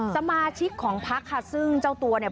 สมาชิกของพักค่ะซึ่งเจ้าตัวเนี่ย